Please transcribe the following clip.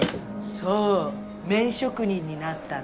そう麺職人になったの。